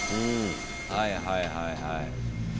はいはいはいはい。